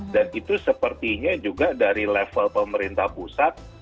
dan itu sepertinya juga dari level pemerintah pusat